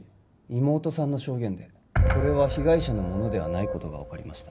妹さんの証言でこれは被害者のものではないことが分かりました